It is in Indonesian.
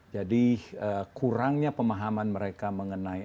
jadi kurangnya pemahaman mereka mengenai